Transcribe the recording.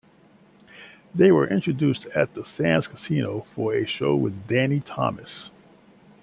They were introduced at the Sands Casino for a show with Danny Thomas.